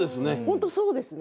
そうですね。